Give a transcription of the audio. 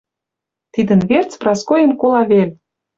Тидӹн верц Праскоэм кола вел.